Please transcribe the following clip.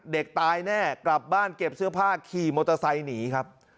เด็กตายแน่กลับบ้านเก็บเสื้อผ้าขี่มอเตอร์ไซค์หนีครับ